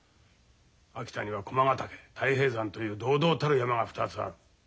秋田には駒ヶ岳太平山という堂々たる山が２つある。